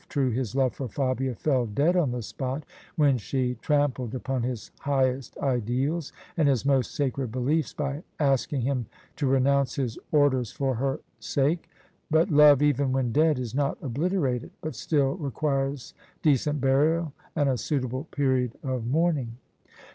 True, his love for Fabia fell dead on the spot, when she trampled upon his highest ideals and his most sacred beliefs by asking him to renounce his Orders for her sake: but love, even when dead, is not obliterated, but still requires decent burial and a suitable period of mourning.